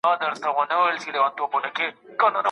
ایا هغه اوږده پاڼه ډنډ ته وړي؟